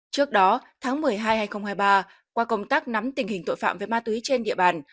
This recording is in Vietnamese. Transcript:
trước đó tháng một mươi hai hai nghìn hai mươi ba qua công tác nắm tình hình tội phạm về ma túy trên địa bàn